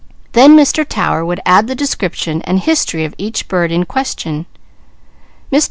Then Mr. Tower would add the description and history of each bird in question. Mr.